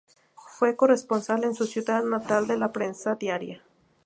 Fue corresponsal en su ciudad natal de la prensa diaria.